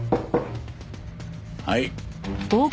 はい。